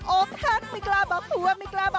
โอ๊คทักไม่กล้าบอกหัว